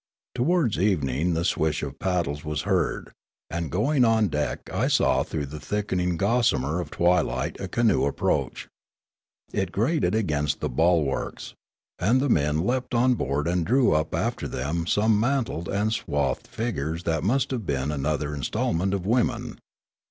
Towards evening the swish of paddles was heard, and going on deck I saw through the thickening gossamer of twilight a canoe approach. It grated against the bulwarks, and the men leaped on board and drew up after them some mantled and swathed figures that must have been another instalment of women.